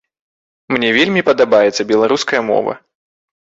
Мне вельмі падабаецца беларуская мова.